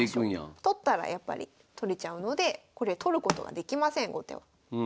取ったらやっぱり取れちゃうのでこれ取ることはできません後手は。